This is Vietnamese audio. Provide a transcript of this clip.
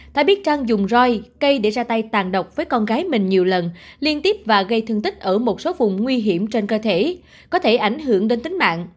thái biết trang dùng roi cây để ra tay tàn độc với con gái mình nhiều lần liên tiếp và gây thương tích ở một số vùng nguy hiểm trên cơ thể có thể ảnh hưởng đến tính mạng